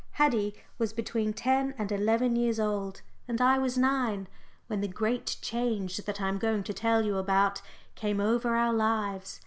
Haddie was between ten and eleven years old and I was nine when the great change that I am going to tell you about came over our lives.